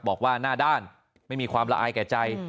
บอกว่าหน้าด้านไม่มีความละอายแก่ใจ